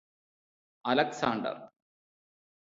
Alexander